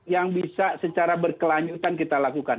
yang bisa secara berkelanjutan kita lakukan